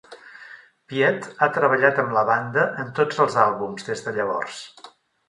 Piet ha treballat amb la banda en tots els àlbums des de llavors.